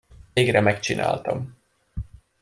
Végre megcsináltam!